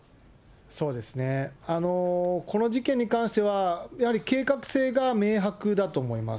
そうですね、この事件に関してはやはり計画性が明白だと思います。